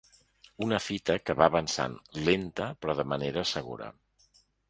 Una fita que va avançant lenta, però de manera segura.